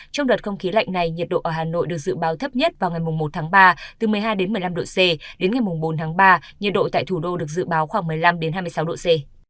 trong đợt không khí lạnh này nhiệt độ ở hà nội được dự báo thấp nhất vào ngày một tháng ba từ một mươi hai một mươi năm độ c đến ngày bốn tháng ba nhiệt độ tại thủ đô được dự báo khoảng một mươi năm hai mươi sáu độ c